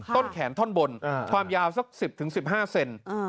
ต้นแขนท่อนบนความยาวสัก๑๐๑๕เซน